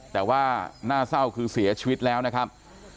แต่ว่าน่าเศร้าคือเสียชีวิตแล้วนะครับ